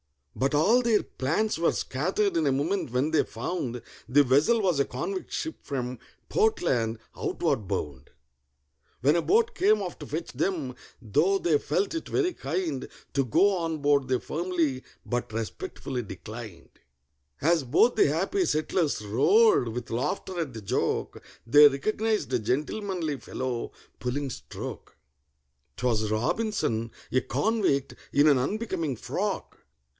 But all their plans were scattered in a moment when they found The vessel was a convict ship from Portland, outward bound; When a boat came off to fetch them, though they felt it very kind, To go on board they firmly but respectfully declined. As both the happy settlers roared with laughter at the joke, They recognized a gentlemanly fellow pulling stroke: 'Twas ROBINSON—a convict, in an unbecoming frock!